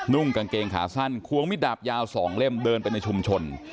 ่งกางเกงขาสั้นควงมิดดาบยาว๒เล่มเดินไปในชุมชน